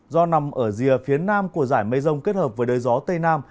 do nằm ở rìa phía nam của giải mây rông kết hợp với đới gió tây nam